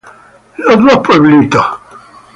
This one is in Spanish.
Les Deux-Villes